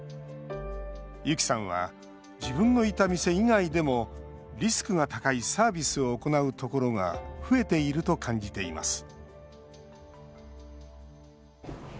ユキさんは自分のいた店以外でもリスクが高いサービスを行うところが増えていると感じています